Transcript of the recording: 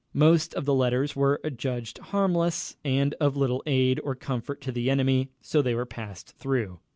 Most of the letters were adjudged harmless, and of little aid or comfort to the enemy, so they were passed through.